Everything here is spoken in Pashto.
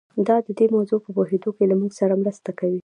دا د دې موضوع په پوهېدو کې له موږ سره مرسته کوي.